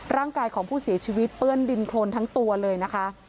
ร่างกายของผู้เสียชีวิตเปื้อนดินโครนทั้งตัวเลยนะคะ